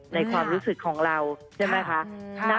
ในความรู้สึกของเราใช่ไหมคะ